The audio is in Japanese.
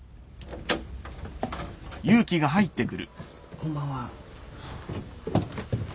こんばんは。